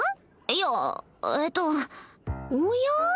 いやえっとおや？